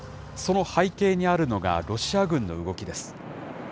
その背景にあるのがロシア軍の動きです。